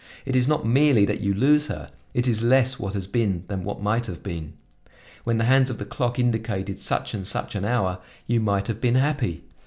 It is not merely that you lose her, it is less what has been than what might have been. When the hands of the clock indicated such and such an hour, you might have been happy.